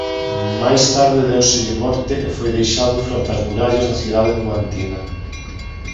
Máis tarde déuselle morte e foi deixado fronte ás murallas da cidade numantina.